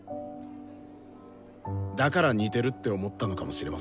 だから「似てる」って思ったのかもしれません。